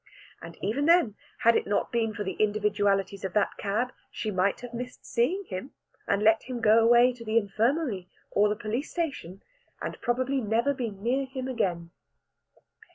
And even then, had it not been for the individualities of that cab, she might have missed seeing him, and let him go away to the infirmary or the police station, and probably never been near him again.